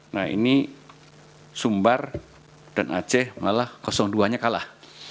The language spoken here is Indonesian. nah ini sumber dan ac malah kosong duanya kalah